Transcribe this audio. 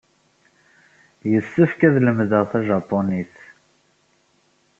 Yessefk ad lemdeɣ tajapunit.